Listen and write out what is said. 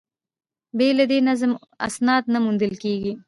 بې له دې نظم، اسناد نه موندل کېږي.